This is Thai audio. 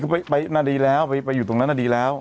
น่าดีแล้วไปอยู่ตรงนั้นน่าดีแล้ว